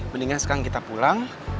mendingan sekarang kita pulang